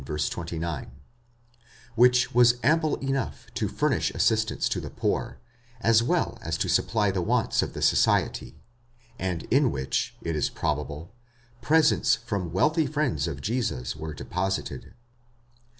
29), which was ample enough to furnish assistance to the poor, as well as to supply the wants of the society, and in which, it is probable, presents from wealthy friends of Jesus were deposited.